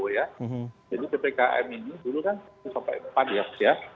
jadi memang sudah kesepakatan dan rekomendasi who ya